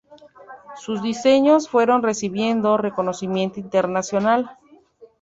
Sus diseños fueron recibiendo reconocimiento internacional.